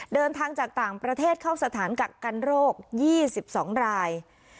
เดินทางจากต่างประเทศเข้าสถานกักกันโรค๒๒ราย